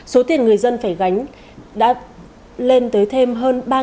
số tiền người dân phải gánh đã lên tới thêm hơn ba tỷ